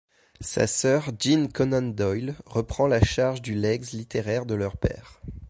Sa sœur Jean Conan Doyle reprend la charge du legs littéraire de leur père.